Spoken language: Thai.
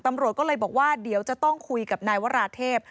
ตำรวจก็เลยบอกว่าเดี๋ยวจะต้องคุยกับนายวราเทพ